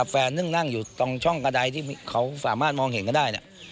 แฟนนึงนั่งอยู่ตรงช่องกระดายที่เขาสามารถมองเห็นก็ได้เนี่ย